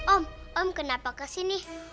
om om kenapa kesini